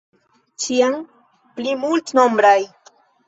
Ĉiam pli multnombraj.